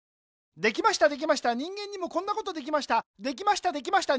できましたできました人間にもこんなことできました。